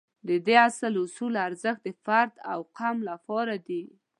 د دې اصول ارزښت د فرد او قوم لپاره دی.